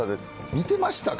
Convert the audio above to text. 見てましたか？